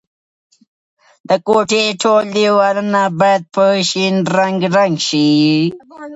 د کوټې ټول دیوالونه باید په شین رنګ رنګ شي.